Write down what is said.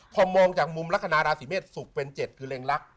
พอมองจากมุมลักษณะราศิเมษฐ์ศุกร์เป็นเจ็ดคือเร็งรัก